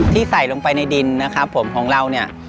ใส่ลงไปในดินนะครับผมของเราเนี่ย